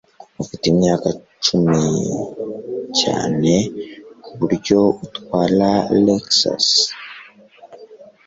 Ufite imyaka icumi cyane kuburyo utwara Lexus.